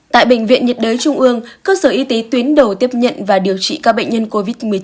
tại bệnh viện nhiệt đới trung ương cơ sở y tế tuyến đầu tiếp nhận và điều trị các bệnh nhân covid một mươi chín